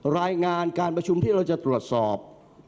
รายงานการประชุมที่เราจะตรวจสอบ